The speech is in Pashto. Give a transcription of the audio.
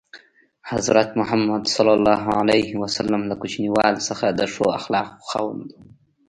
حضرت محمد ﷺ له کوچنیوالي څخه د ښو اخلاقو خاوند و.